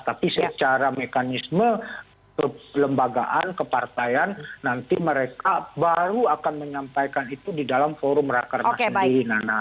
tapi secara mekanisme kelembagaan kepartaian nanti mereka baru akan menyampaikan itu di dalam forum rakerna sendiri nana